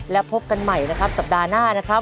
แล้วพบกันใหม่นะครับสัปดาห์หน้านะครับ